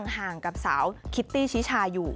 ห่างกับสาวคิตตี้ชิชาอยู่